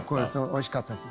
おいしかったです。